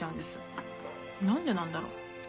なんでなんだろう？